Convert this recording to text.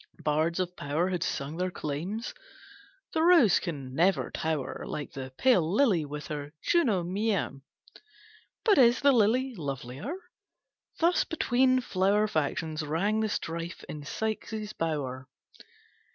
Bards of power Had sung their claims. "The rose can never tower Like the pale lily with her Juno mien" "But is the lily lovelier?" Thus between Flower factions rang the strife in Psyche's bower.